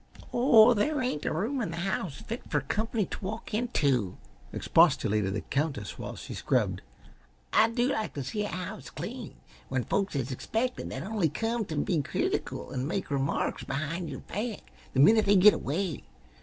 "Oh, there ain't a room in the house fit fer comp'ny t' walk into," expostulated the Countess while she scrubbed. "I do like t' see a house clean when folks is expected that only come t' be critical an' make remarks behind yer back the minit they git away.